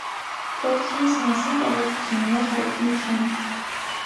Վերջինիս մասին տեղեկություններ հայտնի չեն։